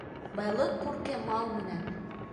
Байлыҡ күрке мал менән